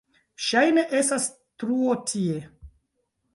Ŝajne estas truo tie.